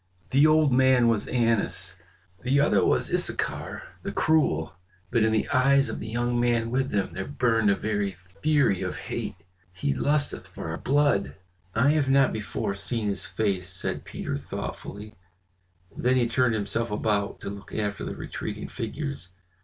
The old man was Annas, the other was Issachar, the cruel; but in the eyes of the young man with them there burned a very fury of hate. He lusteth for our blood." "I have not before seen his face," said Peter thoughtfully; then he turned himself about to look after the retreating figures.